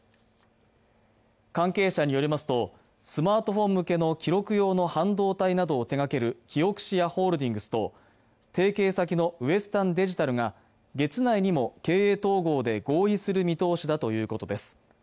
関係者によりますと、スマートフォン向けの記録用の半導体などを手がけるキオクシアホールディングスと提携先のウエスタンデジタルが月内にも経営統合で合意する見通しだということです。